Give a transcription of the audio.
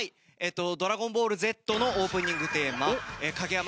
『ドラゴンボールＺ』のオープニングテーマ影山